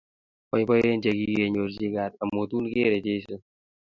Poipoen che kikenyochi kat amun tun kere Jeiso.